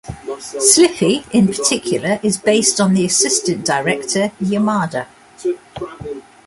Slippy in particular is based on the assistant director, Yamada.